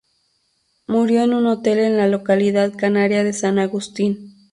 Murió en un hotel en la localidad canaria de San Agustín.